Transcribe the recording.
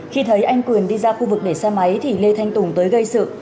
khi thấy anh quyền đi ra khu vực để xe máy thì lê thanh tùng tới gây sự